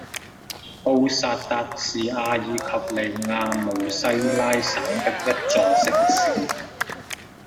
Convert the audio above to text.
布萨达是阿尔及利亚姆西拉省的一座城市。